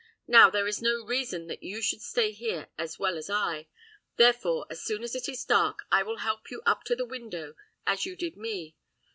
Now, there is no reason that you should stay here as well as I; therefore, as soon as it is dark, I will help you up to the window as you did me.